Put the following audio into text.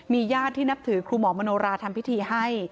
ญาติที่นับถือครูหมอมโนราทำพิธีให้